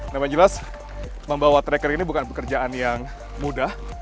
namanya jelas membawa trekker ini bukan pekerjaan yang mudah